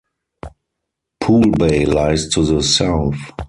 Poole Bay lies to the South.